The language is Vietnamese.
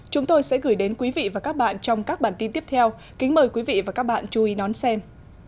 chúng tôi sẽ gửi đến quý vị và các bạn trong các bản tin tiếp theo kính mời quý vị và các bạn chú ý nón xem